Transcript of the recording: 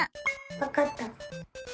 わかった！